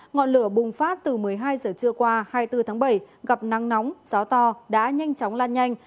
ngọn lửa bùng phát từ một mươi hai giờ trưa qua hai mươi bốn tháng bảy gặp nắng nóng gió to đã nhanh chóng lan nhanh